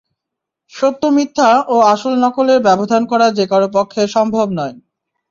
সত্য-মিথ্যা ও আসল-নকলের ব্যবধান করা যে কারো পক্ষে সম্ভব নয়।